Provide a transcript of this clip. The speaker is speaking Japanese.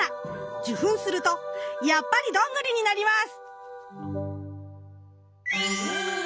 受粉するとやっぱりドングリになります。